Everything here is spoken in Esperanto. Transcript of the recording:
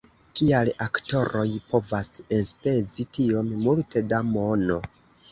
"Kial aktoroj povas enspezi tiom multe da mono!